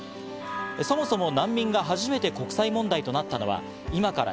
そもそも難民が初めて国際問題となったのは今から